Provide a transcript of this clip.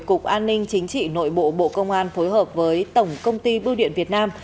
cục an ninh chính trị nội bộ bộ công an phối hợp với tổng công ty bưu điện việt nam